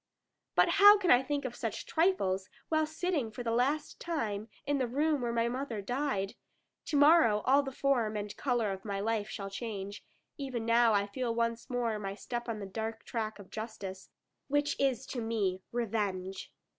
But how can I think of such trifles, while sitting for the last time in the room where my mother died? To morrow all the form and colour of my life shall change; even now I feel once more my step on the dark track of justice, which is to me revenge.